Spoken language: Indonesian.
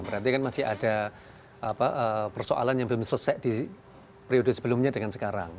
berarti kan masih ada persoalan yang belum selesai di periode sebelumnya dengan sekarang